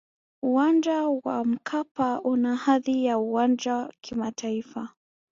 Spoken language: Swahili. uwanja wa mkapa una hadhi ya uwanja kimataifa